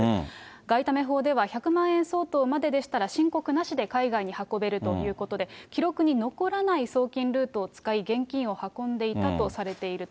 外為法では１００万円相当まででしたら、申告なしで海外に運べるということで、記録に残らない送金ルートを使い、現金を運んでいたとされていると。